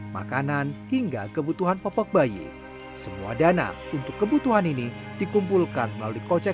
makanan hingga kebutuhan popok bayi semua dana untuk kebutuhan ini dikumpulkan melalui kocek